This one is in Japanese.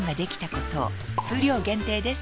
数量限定です